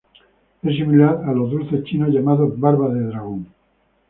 Es similar a los dulces chinos llamados Barba de dragón.